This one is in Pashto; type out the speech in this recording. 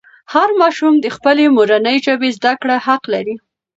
هر ماشوم د خپلې مورنۍ ژبې زده کړه حق لري.